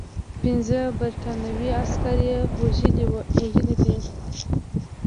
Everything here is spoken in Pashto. پنځه برټانوي عسکر یې وژلي دي.